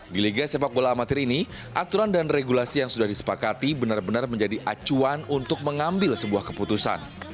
di liga sepak bola amatir ini aturan dan regulasi yang sudah disepakati benar benar menjadi acuan untuk mengambil sebuah keputusan